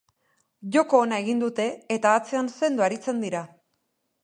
Joko ona egiten dute, eta atzean sendo aritzen dira.